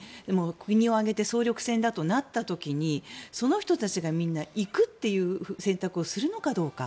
国を挙げて総力戦だとなった時にその人たちがみんな行くという選択をするのかどうか。